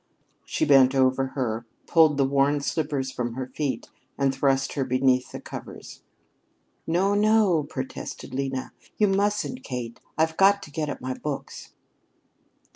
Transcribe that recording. She bent over her, pulled the worn slippers from her feet, and thrust her beneath the covers. "No, no!" protested Lena. "You mustn't, Kate! I've got to get at my books."